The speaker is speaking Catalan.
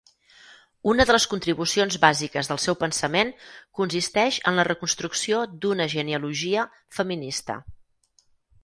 Una de les contribucions bàsiques del seu pensament consisteix en la reconstrucció d'una genealogia feminista.